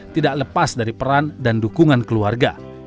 tidak lepas dari peran dan dukungan keluarga